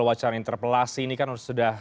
wacana interpelasi ini kan sudah